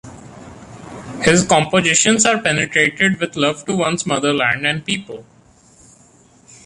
His compositions are penetrated with love to one's motherland and people.